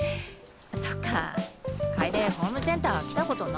そっか楓ホームセンター来たことな。